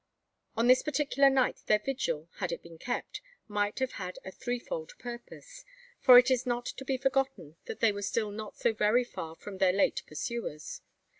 On this particular night their vigil, had it been kept, might have had a threefold purpose: for it is not to be forgotten that they were still not so very far from their late pursuers.